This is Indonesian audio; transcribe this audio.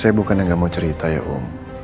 saya bukan yang gak mau cerita ya om